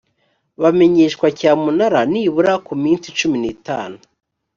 bamenyeshwa cyamunara nibura mu minsi cumi n’itanu